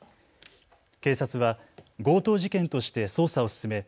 警察は強盗事件として捜査を進め